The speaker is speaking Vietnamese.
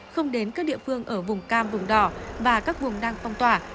không đến các địa phương ở vùng cam vùng đỏ và các vùng đang phong tỏa